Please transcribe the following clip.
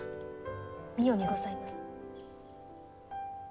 美代にございます。